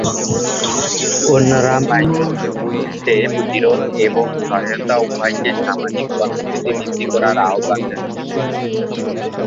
অন্যরা মাইগ্রেশন ইভেন্টে প্রতিরোধ এবং সহায়তা উভয়কে সামাজিক কর্মসূচী বৃদ্ধি করার আহ্বান জানিয়েছে।